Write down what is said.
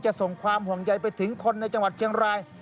ส่งความห่วงใยไปถึงคนในจังหวัดเชียงราย